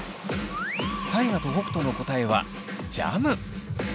大我と北斗の答えはジャム。